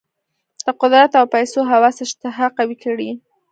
د قدرت او پیسو هوس اشتها قوي کړې.